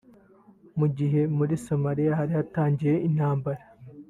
Mu gihe muri Somalia hari hatangiye intambara